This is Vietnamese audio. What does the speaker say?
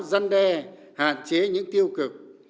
dăn đe hạn chế những tiêu cực